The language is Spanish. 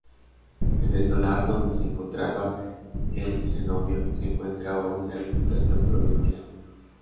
En el solar donde se encontraba el cenobio se encuentra hoy la Diputación Provincial.